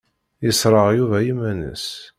Yesṛeɣ Yuba iman-is.